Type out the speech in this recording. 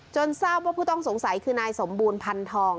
ทราบว่าผู้ต้องสงสัยคือนายสมบูรณพันธอง